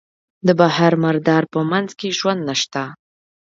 د بحر مردار په منځ کې ژوند نشته.